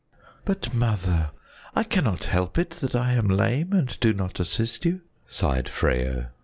"But, Mother, I cannot help it that I am lame and do not assist you," sighed Freyo.